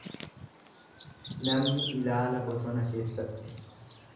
Namni ilaala bosona keessatti.